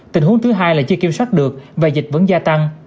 tình huống thứ hai là chưa kiểm soát được và dịch vẫn gia tăng